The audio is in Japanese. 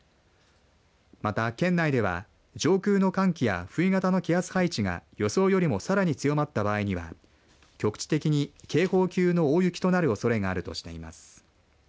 また県内では上空の寒気や冬型の気圧配置が予想よりもさらに強まった場合には局地的に警報級の大雪となるおそれがあるとしています。